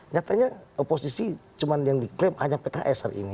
nyatanya oposisi cuma yang diklaim hanya pks hari ini